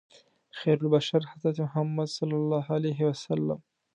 خیرالبشر حضرت محمد صلی الله علیه وسلم دی.